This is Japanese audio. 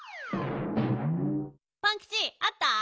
パンキチあった？